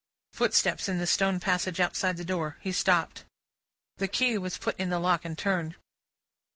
Footsteps in the stone passage outside the door. He stopped. The key was put in the lock, and turned.